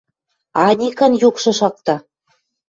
– Аникан юкшы шакта.